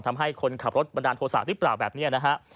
ทำให้คนขับรถบันดาลโทรศาสตร์ทุกป่าวแบบนี้นะฮะ